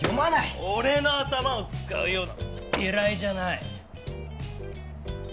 俺の頭を使うような依頼じゃない。